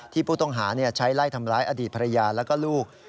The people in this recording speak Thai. ผู้ต้องหาใช้ไล่ทำร้ายอดีตภรรยาแล้วก็ลูก